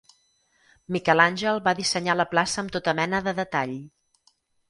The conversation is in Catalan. Miquel Àngel va dissenyar la plaça amb tota mena de detall.